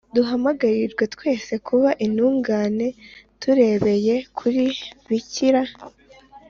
duhamagarirwa twese kuba intungane turebeye kuri bikira